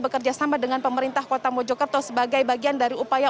bekerjasama dengan pemerintah kota mojokerto sebagai bagian dari upaya